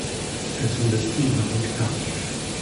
Elles sont de style baroque tardif.